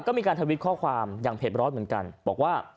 ก็มีการทวิตข้อความอย่างเผ็ดร้อนเหมือนกันบอกว่า